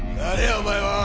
お前は！